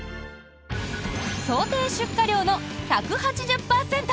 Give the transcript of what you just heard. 想定出荷量の１８０％。